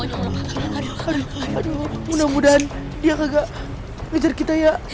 aduh mudah mudahan dia gak kejar kita ya